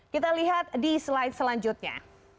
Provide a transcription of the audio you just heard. kita lihat di slide selanjutnya